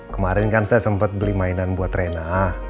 kemarin kan saya sempat beli mainan buat rena